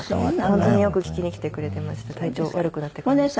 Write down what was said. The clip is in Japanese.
本当によく聴きに来てくれてました体調悪くなってからも。